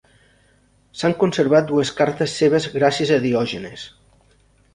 S'han conservat dues cartes seves gràcies a Diògenes.